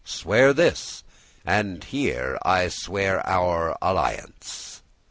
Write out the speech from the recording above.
Swear this, and here I swear our alliance."